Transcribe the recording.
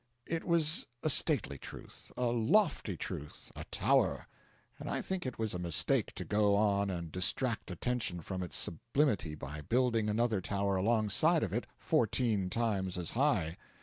It was a stately truth, a lofty truth a Tower; and I think it was a mistake to go on and distract attention from its sublimity by building another Tower alongside of it fourteen times as high.